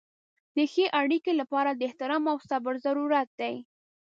د ښې اړیکې لپاره د احترام او صبر ضرورت دی.